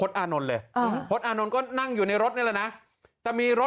ซ้ายผ่านตลอดนะพี่